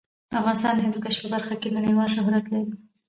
افغانستان د هندوکش په برخه کې نړیوال شهرت لري.